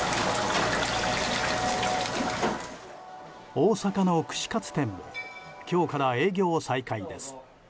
大阪の串カツ店も今日から営業再開です。